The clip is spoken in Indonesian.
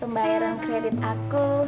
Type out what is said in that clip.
pembayaran kredit aku